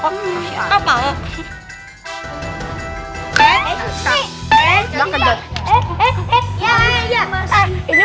eh ini punya siapa ya